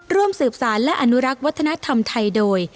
ร่วมสืบสารและอนุรักษ์วัฒนธรรมไทยโดย